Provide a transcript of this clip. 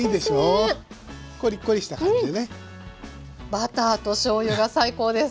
バターとしょうゆが最高です！